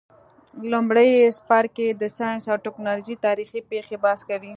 لمړی څپرکی د ساینس او تکنالوژۍ تاریخي پیښي بحث کوي.